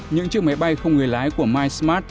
những chiếc máy bay không người lái của mysmart